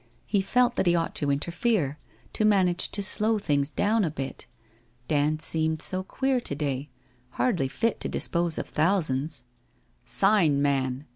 He felt that he ought to interfere, to manage to Blow things down a bit. Dand seemed so queer to day — hardly fit t<> osc of thousands. ... 'Sign, man!'